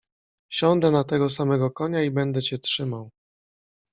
Siądę na tego samego konia i będę cię trzymał.